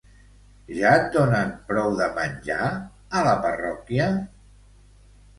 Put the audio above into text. ¿Ja et donen prou de menjar, a la parròquia?